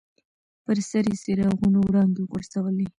پر سر یې څراغونو وړانګې غورځولې.